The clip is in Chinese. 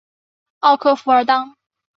奥克弗尔当。